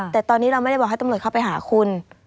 แต่ตอนนี้เราไม่ได้บอกให้ตำรวจเข้าไปหาคุณ